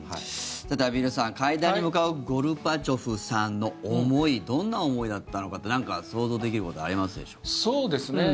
畔蒜さん、会談に向かうゴルバチョフさんの思いどんな思いだったのか想像できることってあるでしょうか。